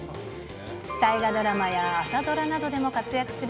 大河ドラマや朝ドラなどでも活躍する